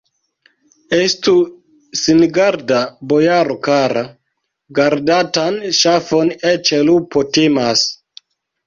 Estu singarda, bojaro kara: gardatan ŝafon eĉ lupo timas!